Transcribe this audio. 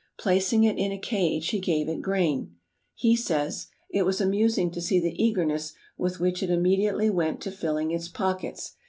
Placing it in a cage he gave it grain. He says: "It was amusing to see the eagerness with which it immediately went to filling its pockets.